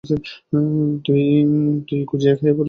তুই গুজিয়া খেয়ে ফেলেছত?